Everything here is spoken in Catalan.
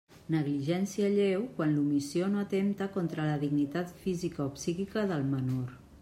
Negligència lleu, quan l'omissió no atempta contra la dignitat física o psíquica del menor.